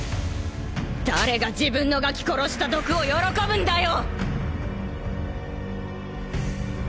誰が自分のガキ殺した毒を喜ぶんだよ